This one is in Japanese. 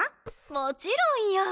もちろんよ！